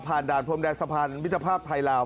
ผ่านด่านพรมแดนสะพานวิทยาภาพไทยลาว